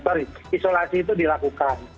sorry isolasi itu dilakukan